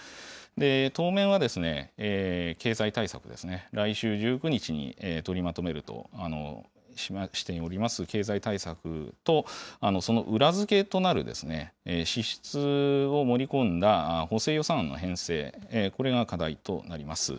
当面は経済対策ですね、来週１９日に取りまとめるとしております経済対策と、その裏付けとなる支出を盛り込んだ補正予算案の編成、これが課題となります。